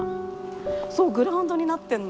そうグラウンドになってるの。